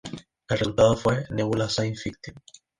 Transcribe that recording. El resultado fue Nebula Science Fiction.